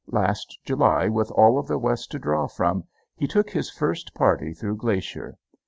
Last July, with all of the West to draw from, he took his first party through Glacier.